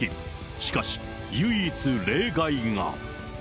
しかし、唯一例外が。